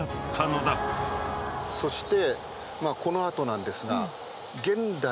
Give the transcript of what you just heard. そして。